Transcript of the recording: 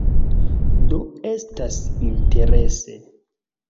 Do estas interese.